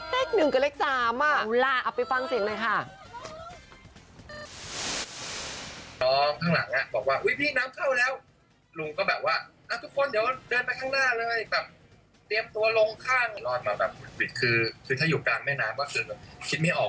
เลขอะไรพี่แจ๊ก